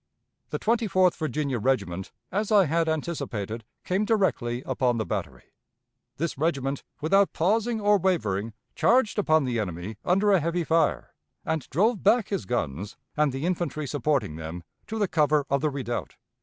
The Twenty fourth Virginia Regiment, as I had anticipated, came directly upon the battery. ... This regiment, without pausing or wavering, charged upon the enemy under a heavy fire, and drove back his guns and the infantry supporting them to the cover of the redoubt.